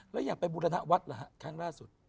แล้วอย่างไปบุรณะวัดล่ะครั้งล่าสุด